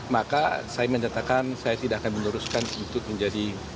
maka saya menyatakan saya tidak akan meneruskan untuk menjadi